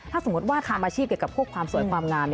ถ้าสมมุติว่าทำอาชีพเกี่ยวกับพวกความสวยความงาม